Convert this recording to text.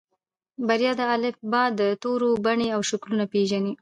بريا د الفبا د تورو بڼې او شکلونه پېژني.